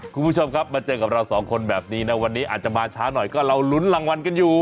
คุณผู้ชมครับมาเจอกับเราสองคนแบบนี้นะวันนี้อาจจะมาช้าหน่อยก็เราลุ้นรางวัลกันอยู่